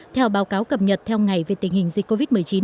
theo báo cáo cập nhật theo ngày về tình hình dịch covid một mươi chín